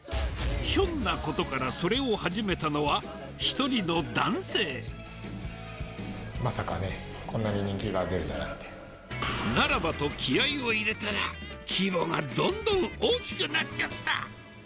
ひょんなことからそれを始めたのは、まさかね、ならばと気合いを入れたら、規模がどんどん大きくなっちゃった。